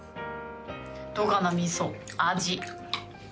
どうかな、みそ？味。